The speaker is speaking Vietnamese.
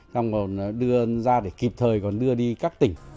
xong còn đưa ra để kịp thời còn đưa đi các tỉnh